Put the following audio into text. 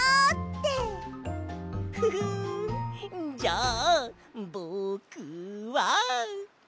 フフンじゃあぼくは。